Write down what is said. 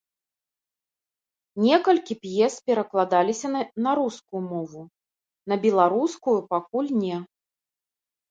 Некалькі п'ес перакладаліся на рускую мову, на беларускую пакуль не.